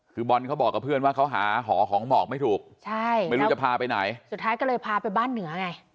คือบอลเขาบอกกับเพื่อนว่าเขาหาหอของหมอกไม่ถูกใช่ไม่รู้จะพาไปไหนสุดท้ายก็เลยพาไปบ้านเหนือไง